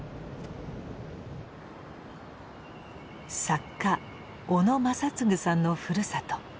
作家小野正嗣さんのふるさと